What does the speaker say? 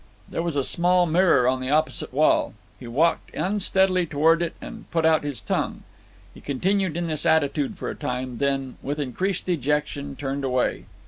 There was a small mirror on the opposite wall. He walked unsteadily toward it and put out his tongue. He continued in this attitude for a time, then, with increased dejection, turned away.